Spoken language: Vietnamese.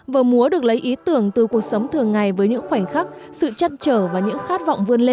vở múa được lấy ý tưởng từ cuộc sống thường ngày với những khoảnh khắc sự trăn trở và những khát vọng vươn lên